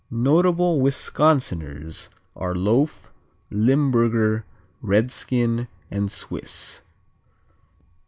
Notable Wisconsiners are Loaf, Limburger, Redskin and Swiss.